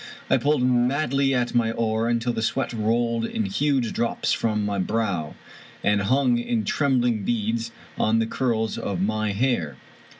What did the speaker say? I pulled madly at my oar until the sweat rolled in huge drops from my brow, and hung in trembling beads on the curls of my hair.